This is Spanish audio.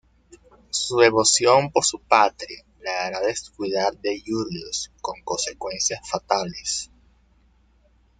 Su devoción por su patria le hará descuidar de Julius, con consecuencias fatales.